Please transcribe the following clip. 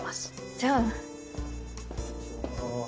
じゃあ。